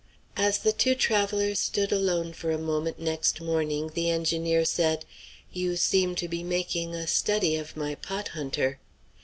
As the two travellers stood alone for a moment next morning, the engineer said: "You seem to be making a study of my pot hunter."